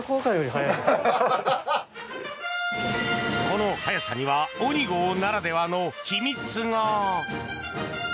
この速さにはＯｎｉＧＯならではの秘密が。